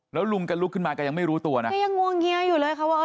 แล้วลุงแกลุกขึ้นมาแกยังไม่รู้ตัวนะแกยังงวงเฮียอยู่เลยค่ะว่า